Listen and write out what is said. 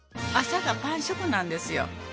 朝がパン食なんですよ。